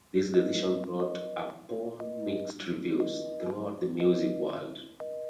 This decision brought upon mixed reviews throughout the music world.